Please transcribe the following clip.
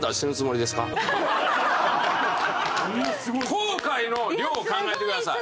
後悔の量を考えてください。